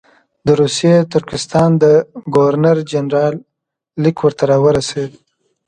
د روسي ترکستان د ګورنر جنرال لیک ورته راورسېد.